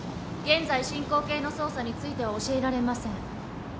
現在進行形の捜査については教えられません。